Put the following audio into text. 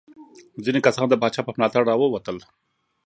ځینې کسان د پاچا په ملاتړ راووتل.